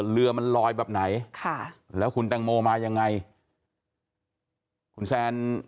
เรือมันลอยแบบไหนค่ะแล้วคุณแตงโมมายังไงคุณแซน